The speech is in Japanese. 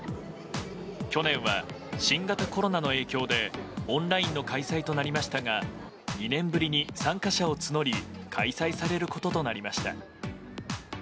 去年は新型コロナの影響でオンラインの開催となりましたが２年ぶりに参加者を募り開催されることとなりました。